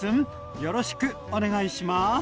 よろしくお願いします。